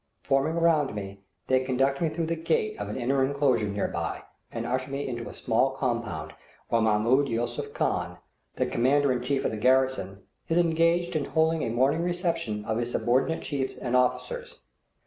Forming around me, they conduct me through the gate of an inner enclosure near by, and usher me into a small compound where Mahmoud Yusuph Khan, the commander in chief of the garrison, is engaged in holding a morning reception of his subordinate chiefs and officers.